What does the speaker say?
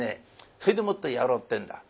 それでもってやろうってんだ。